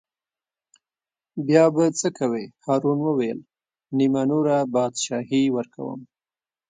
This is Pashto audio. بیا به څه کوې هارون وویل: نیمه نوره بادشاهي ورکووم.